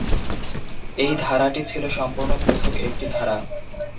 এই ধারাটি ছিল সম্পূর্ণ পৃথক একটি ধারা।